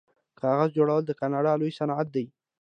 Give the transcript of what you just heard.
کاغذ جوړول د کاناډا لوی صنعت دی.